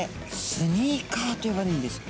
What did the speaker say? スニーカーと呼ばれるんです。